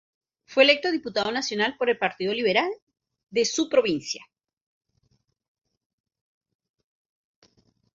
Fue electo diputado nacional por el partido liberal de su provincia.